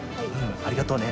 ありがとうね。